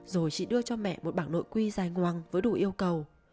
rồi chị đưa cho mẹ một bảng nội quy dài nguông với đủ yêu cầu